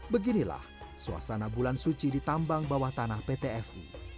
beginilah suasana bulan suci di tambang bawah tanah pt fi